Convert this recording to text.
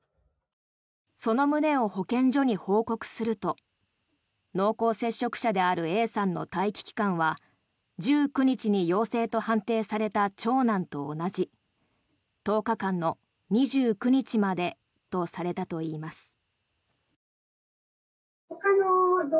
その旨を保健所に報告すると濃厚接触者であるＡさんの待機期間は１９日に陽性と判定された長男と同じ１０日間の２９日までとされたといいます。